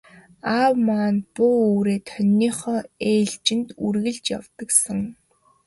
Аав маань буу үүрээд хониныхоо ээлжид үргэлж явдаг сан.